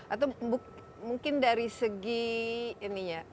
atau mungkin dari segi ini ya